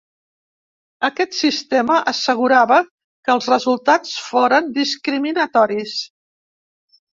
Aquest sistema assegurava que els resultats foren discriminatoris.